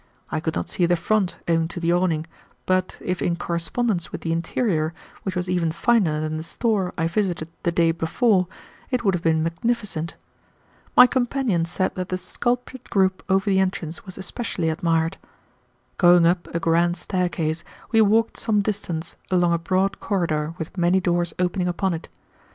I could not see the front, owing to the awning, but, if in correspondence with the interior, which was even finer than the store I visited the day before, it would have been magnificent. My companion said that the sculptured group over the entrance was especially admired. Going up a grand staircase we walked some distance along a broad corridor with many doors opening upon it.